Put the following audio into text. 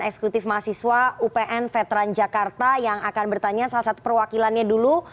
eksekutif mahasiswa upn veteran jakarta yang akan bertanya salah satu perwakilannya dulu